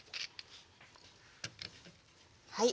はい。